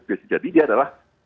biasa jadi dia adalah